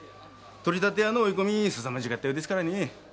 取り立て屋の追い込みすさまじかったようですからね。